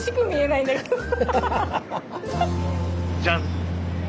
じゃん。